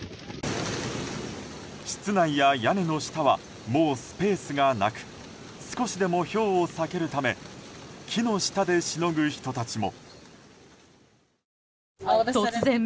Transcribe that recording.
室内や屋根の下はもうスペースがなく少しでも、ひょうを避けるため木の下でしのぐ人たちも。